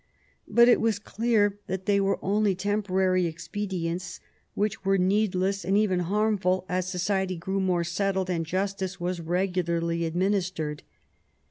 But it was clear that they were only temporary expedients which were needless and even harmful as society grew more settled and justice was regularly administered.